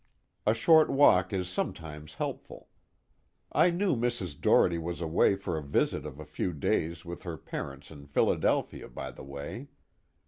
A short walk is sometimes helpful. I knew Mrs. Doherty was away for a visit of a few days with her parents in Philadelphia, by the way.